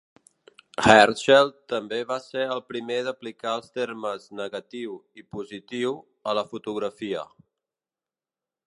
Herschel també va ser el primer d'aplicar els termes "negatiu" i "positiu" a la fotografia.